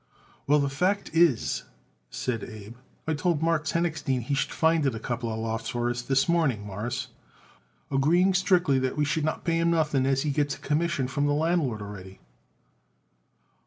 "Well, the fact is," said Abe, "I told Marks Henochstein he should find it a couple lofts for us this morning, Mawruss, agreeing strictly that we should not pay him nothing, as he gets a commission from the landlord already."